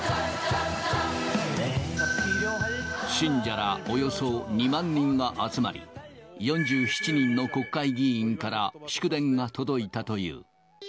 信者らおよそ２万人が集まり、４７人の国会議員から祝電が届いたという。